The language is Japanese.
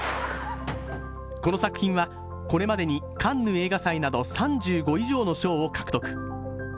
この作品は、これまでにカンヌ映画祭など３５以上の賞を獲得。